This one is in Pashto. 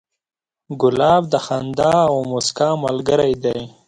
ګلاب د خندا او موسکا ملګری دی.